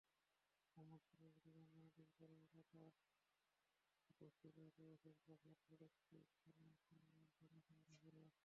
মোহাম্মদপুরে বুড়িগঙ্গা নদীর পারের এলাকা বছিলায় প্রবেশের প্রধান সড়কটি খানাখন্দে ভরা।